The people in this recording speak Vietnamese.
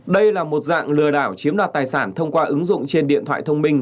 đây là một dạng lừa đảo chiếm đoạt tài sản thông qua ứng dụng trên điện thoại thông minh